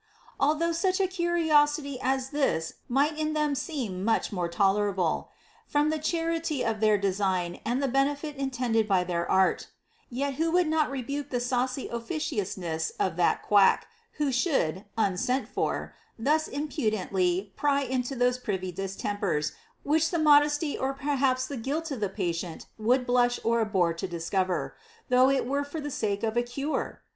Although such a curiosity as this might in them seem much more tolerable, from the charity of their de sign and the benefit intended by their art ; yet who would not rebuke the saucy officiousness of that quack who should, unsent for, thus impudently pry into those privy distempers which the modesty or perhaps the guilt of the patient would blush or abhor to discover, though it were for the sake of a cure